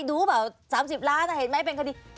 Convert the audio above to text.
ดูเปล่า๓๐ล้านเห็นไหมเป็นคดี